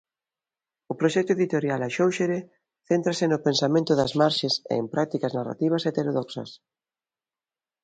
O proxecto editorial Axóuxere céntrase no pensamento das marxes e en prácticas narrativas heterodoxas.